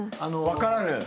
・分からぬ？